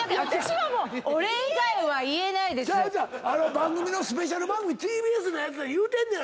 番組のスペシャル番組ＴＢＳのやつで言うてんねや！